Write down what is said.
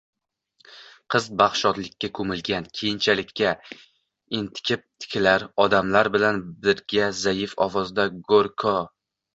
Qiz baxt-shodlikka koʻmilgan kelinchakka entikib tikilar, odamlar bilan birga zaif ovozda Gorko